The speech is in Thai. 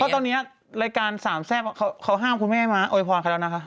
เพราะตอนนี้รายการสามแทรฟเขาห้ามคุณแม่มาโอยพรใครแล้วนะคะ